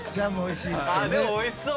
でもおいしそう。